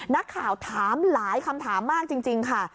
นักข่าวถามหลายคำถามมากจริงค่ะ